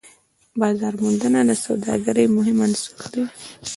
بازارموندنه د سوداګرۍ مهم عنصر دی.